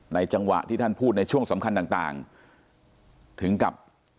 จังหวะที่ท่านพูดในช่วงสำคัญต่างถึงกับ